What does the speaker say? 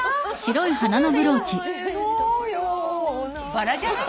バラじゃない？